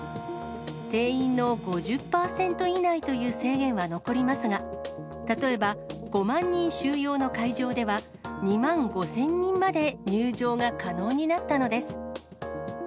定員の５０％以内という制限は残りますが、例えば、５万人収容の会場では、２万５０００人まで入場が可能になったのです。